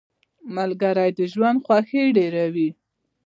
ملګری د ژوند خوښي ډېروي.